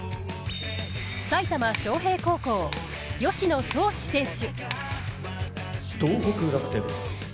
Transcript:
埼玉・昌平高校吉野創士選手。